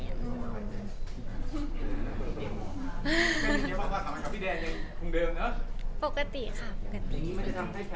อย่างนี้มันจะทำให้แผนการที่เราจะแต่งมาอย่างนี้มันจะมันลงเร็วขึ้นมั้ย